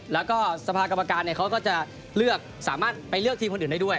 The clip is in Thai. แล้วก็สภากรรมการเขาก็จะเลือกสามารถไปเลือกทีมคนอื่นได้ด้วย